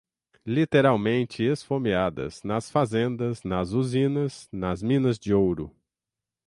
literalmente esfomeadas nas fazendas, nas usinas, nas minas de ouro